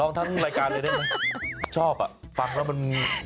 ลองทั้งรายการเลยได้ไหมชอบอ่ะฟังแล้วมันรู้สึกดี